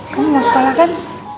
kamu mau sekolah kan